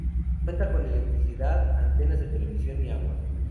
Cuenta con electricidad, antenas de televisión y agua.